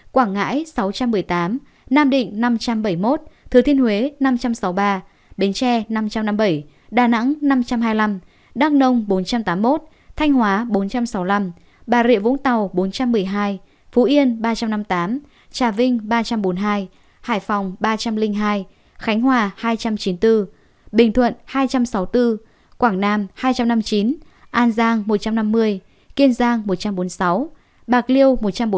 quảng ngãi sáu trăm một mươi tám nam định năm trăm bảy mươi một thứ thiên huế năm trăm sáu mươi ba bến tre năm trăm năm mươi bảy đà nẵng năm trăm hai mươi năm đắk nông bốn trăm tám mươi một thanh hóa bốn trăm sáu mươi năm bà rịa vũng tàu bốn trăm một mươi hai phú yên ba trăm năm mươi tám trà vinh ba trăm bốn mươi hai hải phòng ba trăm linh hai khánh hòa hai trăm chín mươi bốn bình thuận hai trăm sáu mươi bốn quảng nam hai trăm năm mươi chín an giang một trăm năm mươi kiên giang một trăm bốn mươi sáu bạc liêu một trăm bốn mươi